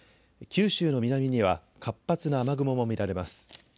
九州の南には活発な雨雲も見られます。